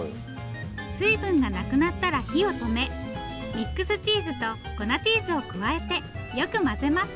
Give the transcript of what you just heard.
水分がなくなったら火を止めミックスチーズと粉チーズを加えてよく混ぜます。